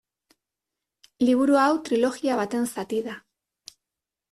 Liburu hau trilogia baten zati da.